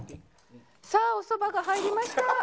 さあおそばが入りました。